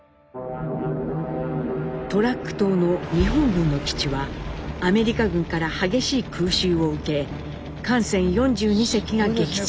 トラック島の日本軍の基地はアメリカ軍から激しい空襲を受け艦船４２隻が撃沈